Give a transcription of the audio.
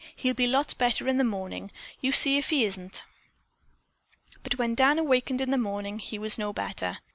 He'll be lots better in the morning. You see if he isn't." But when Dan awakened in the morning he was no better.